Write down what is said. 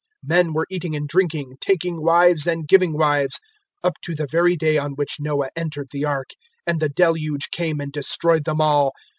017:027 Men were eating and drinking, taking wives and giving wives, up to the very day on which Noah entered the Ark, and the Deluge came and destroyed them all.